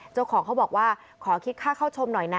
เจ้าของเขาบอกว่าขอคิดค่าเข้าชมหน่อยนะ